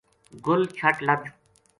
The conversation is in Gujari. گل چھَٹ لَد